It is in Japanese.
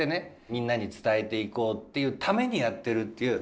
みんなに伝えていこうっていうためにやってるっていう。